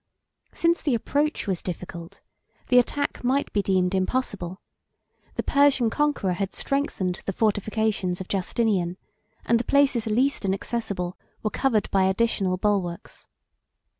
Since the approach was difficult, the attack might be deemed impossible: the Persian conqueror had strengthened the fortifications of Justinian; and the places least inaccessible were covered by additional bulwarks.